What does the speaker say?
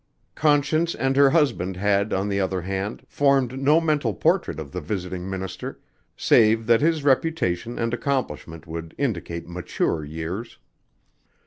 Conscience and her husband had, on the other hand, formed no mental portrait of the visiting minister, save that his reputation and accomplishment would indicate mature years.